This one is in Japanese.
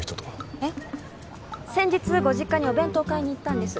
あっ先日ご実家にお弁当を買いにいったんです